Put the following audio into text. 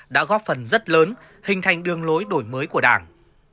đã góp phần rất lớn hình thành đường lối đổi mới của đảng